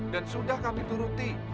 dan sudah kami turuti